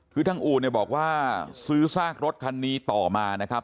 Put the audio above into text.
คือทางอู่เนี่ยบอกว่าซื้อซากรถคันนี้ต่อมานะครับ